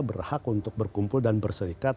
berhak untuk berkumpul dan berserikat